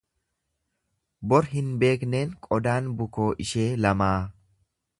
Bor hin beekneen qodaan bukoo ishee lamaa.